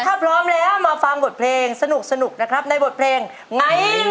ถ้าพร้อมแล้วมาฟังบทเพลงสนุกนะครับในบทเพลงไง